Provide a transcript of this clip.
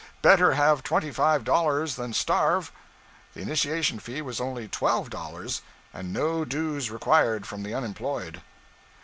Better have twenty five dollars than starve; the initiation fee was only twelve dollars, and no dues required from the unemployed.